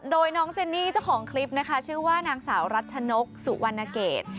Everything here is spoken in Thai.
โดยน้องเจนนี่เจ้าของคลิปนะคะชื่อว่านางสาวรัชนกสุวรรณเกต